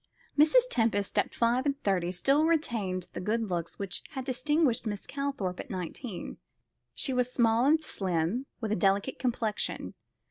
Mrs. Tempest, at five and thirty, still retained the good looks which had distinguished Miss Calthorpe at nineteen. She was small and slim, with a delicate complexion.